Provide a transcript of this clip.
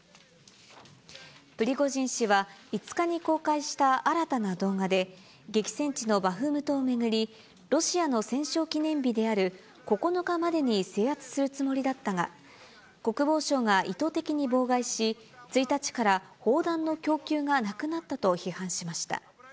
プリゴジン氏は、５日に公開した新たな動画で、激戦地のバフムトを巡り、ロシアの戦勝記念日である９日までに制圧するつもりだったが、国防省が意図的に妨害し、１日から砲弾の供給がなくなったと批判しました。